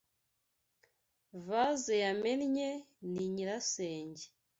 Vase yamennye ni nyirasenge.